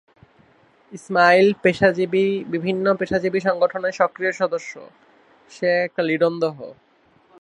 ইসমাইল বিভিন্ন পেশাজীবী সংগঠনের সক্রিয় সদস্য।